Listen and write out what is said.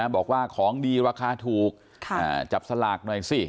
บอกว่าของดีราคาถูกจับสลากหน่อยสิ